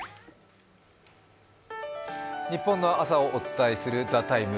日本の朝をお伝えする「ＴＨＥＴＩＭＥ，」